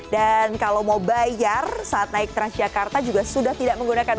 dan kalau mau bayar saat naik transjakarta juga sudah tidak menggunakan